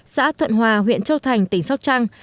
xã thuận hòa huyện châu thành tỉnh sóc trăng